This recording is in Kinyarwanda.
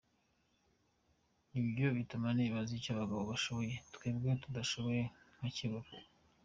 Ibyo bituma nibaza icyo abagabo bashoboye twebwe tudashoboye nkakibura.